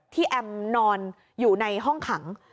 แอมนอนอยู่ในห้องขัง